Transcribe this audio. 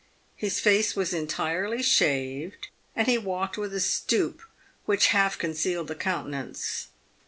His face was entirely shaved, and he walked with a stoop which half concealed the countenance.